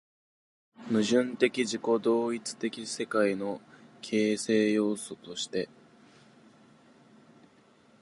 矛盾的自己同一的世界の形成要素として